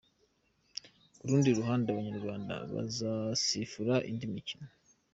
Ku rundi ruhande Abanyarwanda bazasifura indi mikino.